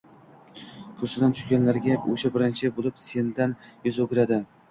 kursidan tushganingda o’sha birinchi bo’lib sendan yuz o’giradi!